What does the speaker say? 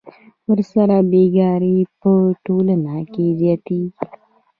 ورسره بېکاري په ټولنه کې زیاتېږي